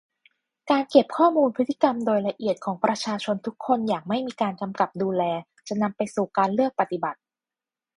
การเก็บข้อมูลพฤติกรรมโดยละเอียดของประชาชนทุกคนอย่างไม่มีการกำกับดูแล จะนำไปสู่การเลือกปฏิบัติ